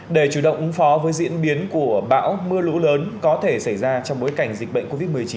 để chủ động ứng phó với diễn biến của bão mưa lũ lớn có thể xảy ra trong bối cảnh dịch bệnh covid một mươi chín